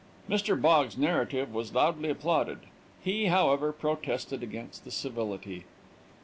Mr. Boggs's narrative was loudly applauded. He, however, protested against the civility.